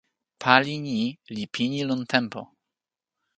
pali ni li pini lon tenpo.